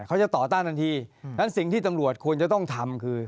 เขาจะต่อต้านทันทีฉะนั้นสิ่งที่ตำรวจควรจะต้องทำคือ